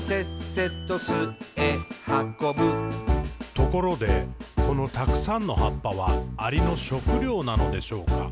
「ところで、このたくさんの葉っぱは、アリの食料なのでしょうか？